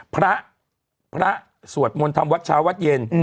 พระพระสวดมนต์ทำวัดเช้าวัดเย็น